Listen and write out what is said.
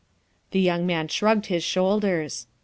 The young man shrugged his shoulders.